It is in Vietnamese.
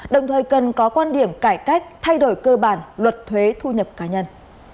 đồng thời cần có quan điểm cải cách thay đổi cơ bản luật thuế thu nhập cá nhân